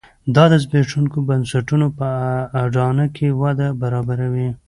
دا د زبېښونکو بنسټونو په اډانه کې وده برابروي.